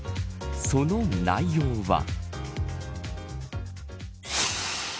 その内容は。